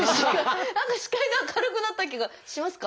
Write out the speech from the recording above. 何か視界が明るくなった気がしますか？